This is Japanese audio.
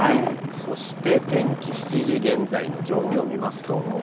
そして、天気７時現在の状況を見ますと。